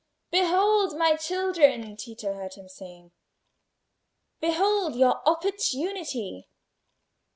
"Behold, my children!" Tito heard him saying, "behold your opportunity!